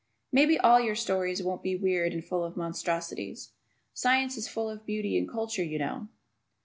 Maybe all your stories won't be weird and full of monstrosities. Science is full of beauty and culture, you know.